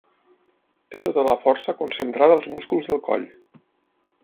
Té tota la força concentrada als músculs del coll.